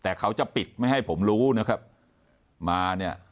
แต่เขาจะปิดไม่ให้ผมรู้นะครับมาเนี่ย